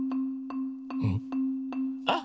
うん？あっ。